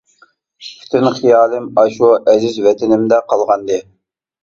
پۈتۈن خىيالىم ئاشۇ ئەزىز ۋەتىنىمدە قالغانىدى.